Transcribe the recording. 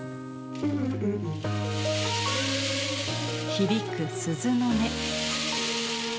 響く鈴の音。